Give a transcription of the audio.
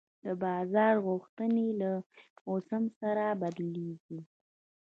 د بازار غوښتنې له موسم سره بدلېږي.